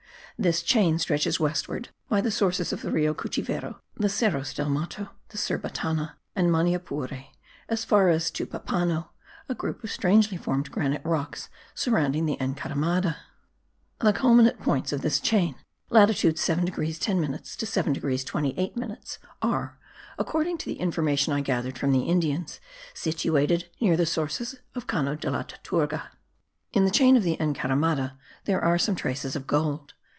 This chain stretches westward by the sources of the Rio Cuchivero, the Cerros del Mato, the Cerbatana and Maniapure, as far as Tepupano, a group of strangely formed granitic rocks surrounding the Encaramada. The culminant points of this chain (latitude 7 degrees 10 minutes to 7 degrees 28 minutes) are, according to the information I gathered from the Indians, situated near the sources of Cano de la Tortuga. In the chain of the Encaramada there are some traces of gold.